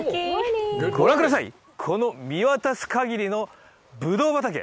ご覧ください、この見渡す限りのぶどう畑！